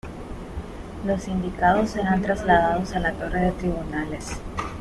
Los sindicados serán trasladados a la Torre de Tribunales.